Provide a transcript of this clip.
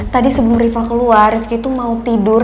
tadi sebelum rifah keluar rifqi tuh mau tidur